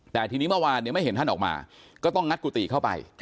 แต่ทีนี้เมื่อวานไม่เห็นท่านออกมาก็ต้องงัดกุฏิเข้าไป